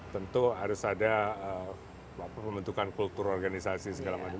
tentu harus ada pembentukan kultur organisasi segala macam